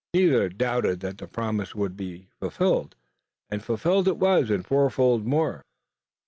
Neither doubted that the promise would be fulfilled, and fulfilled it was and fourfold more.